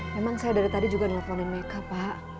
memang saya dari tadi juga nelfonin mereka pak